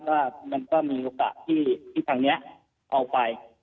ว่ามันก็มีโอกาสที่ทางนี้เอาไป